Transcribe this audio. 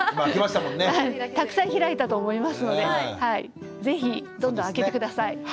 たくさん開いたと思いますので是非どんどん開けて下さい。